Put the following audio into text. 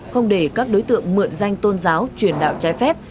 không để các đối tượng mượn danh tôn giáo truyền đạo trái phép